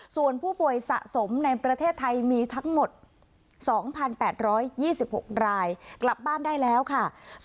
ส่วนผู้ป่วยสะสมในประเทศไทยมีทั้งหมด๒๘๒๖รายกลับบ้านได้แล้วค่ะ